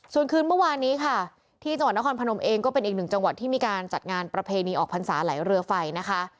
ส่วนคืนเมื่อวานนี้ค่ะที่จังหวัดนครพนมเองก็เป็นอีกหนึ่งจังหวัดที่มีการจัดงานประเพณีออกพรรษาไหลเรือไฟนะคะ